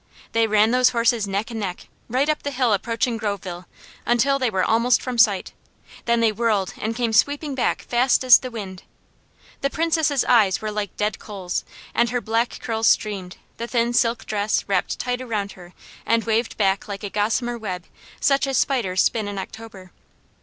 They ran those horses neck and neck, right up the hill approaching Groveville, until they were almost from sight, then they whirled and came sweeping back fast as the wind. The Princess' eyes were like dead coals, and her black curls streamed, the thin silk dress wrapped tight around her and waved back like a gossamer web such as spiders spin in October.